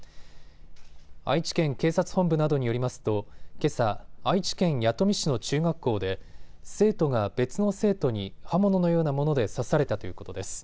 愛知県警察本部などによりますとけさ、愛知県弥富市の中学校で生徒が別の生徒に刃物のようなもので刺されたということです。